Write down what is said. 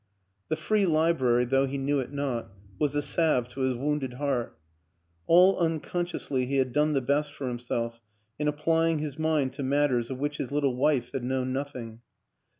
The Free Library, though he knew it not, was a salve to his wounded heart; all unconsciously he had done the best for himself in applying his mind to matters of which his little wife had known nothing.